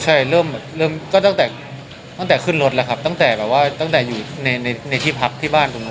ใช่เริ่มก็ตั้งแต่ตั้งแต่ขึ้นรถแล้วครับตั้งแต่แบบว่าตั้งแต่อยู่ในที่พักที่บ้านตรงนั้น